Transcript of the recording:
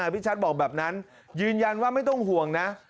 พี่ชัดบอกแบบนั้นยืนยันว่าไม่ต้องห่วงนะ